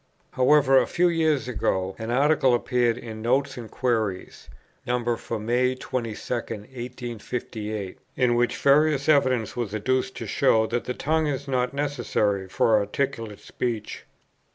However, a few years ago an Article appeared in "Notes and Queries" (No. for May 22, 1858), in which various evidence was adduced to show that the tongue is not necessary for articulate speech.